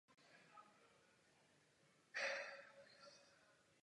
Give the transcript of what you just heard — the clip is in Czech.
V zahradnické praxi se rozmnožuje dělením trsů.